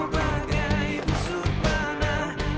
bagai busuk panah